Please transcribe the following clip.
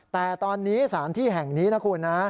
แต่ตอนนี้สถานที่แห่งนี้นะคุณนะ